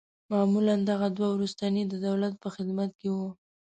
معمولاً دغه دوه وروستني د دولت په خدمت کې وه.